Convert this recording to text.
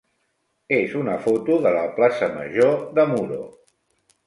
és una foto de la plaça major de Muro.